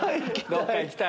どっか行きたい？